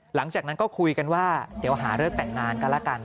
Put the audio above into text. หลังจากนั้นก็คุยกันว่าเดี๋ยวหาเลิกแต่งงานกันละกัน